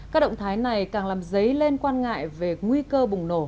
các động thái này càng làm dấy lên quan ngại về nguy cơ bùng nổ